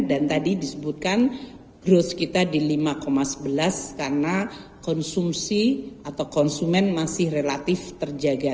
dan tadi disebutkan growth kita di lima sebelas karena konsumsi atau konsumen masih relatif terjaga